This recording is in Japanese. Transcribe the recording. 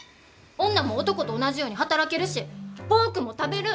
女も男と同じように働けるしポークも食べる！